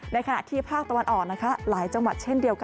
ในขณะที่ภาคตะวันออกนะคะหลายจังหวัดเช่นเดียวกัน